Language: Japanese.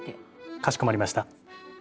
かしこまりました。